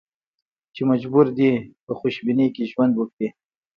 چې مجبور دي په خوشبینۍ کې ژوند وکړي.